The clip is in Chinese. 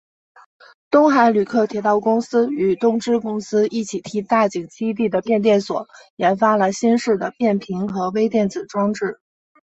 东海旅客铁道公司与东芝公司一起替大井基地的变电所研发了新式的变频和微电子装置。